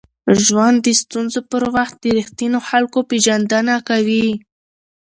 ژوند د ستونزو پر وخت د ریښتینو خلکو پېژندنه کوي.